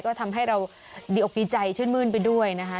ก็ทำให้เราดีอกดีใจชื่นมื้นไปด้วยนะคะ